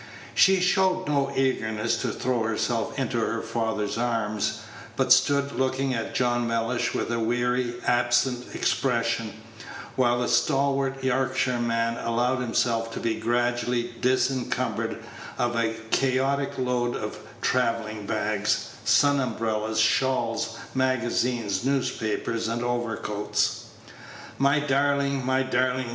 She showed no eagerness to throw herself into her father's arms, but stood looking at John Mellish with a weary, absent expression, while the stalwart Yorkshireman allowed himself to be gradually disencumbered of a chaotic load of travelling bags, sun umbrellas, shawls, magazines, newspapers, and overcoats. "My darling, my darling!"